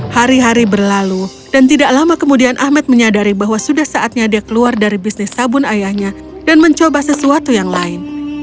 hari hari berlalu dan tidak lama kemudian ahmed menyadari bahwa sudah saatnya dia keluar dari bisnis sabun ayahnya dan mencoba sesuatu yang lain